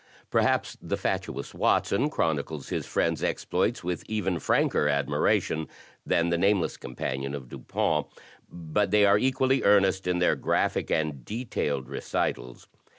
Perhaps the fatuous Watson chronicles his friend's exploits with even franker admiration than the nameless companion of Dupin, but they are equally earnest in their graphic and detailed recitals.